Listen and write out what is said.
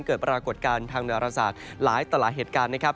เกิดปรากฏการณ์ทางดาราศาสตร์หลายต่อหลายเหตุการณ์นะครับ